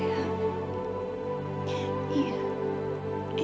dari setiap technology